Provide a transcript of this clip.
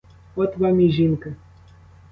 От вам і жінка.